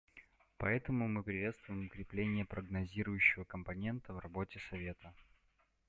Поэтому мы приветствуем укрепление прогнозирующего компонента в работе Совета.